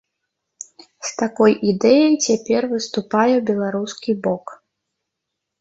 З такой ідэяй цяпер выступае беларускі бок.